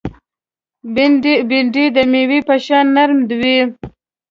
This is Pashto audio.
بېنډۍ د مېوې په شان نرم وي